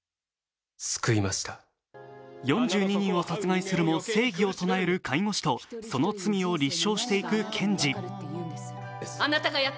４２人を殺害するも、正義を唱える介護士とその罪を立証していく検事。